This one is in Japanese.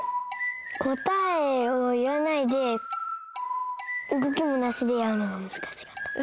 こたえをいわないでうごきもなしでやるのがむずかしかった。